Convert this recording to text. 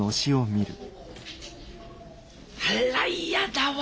あら嫌だわ。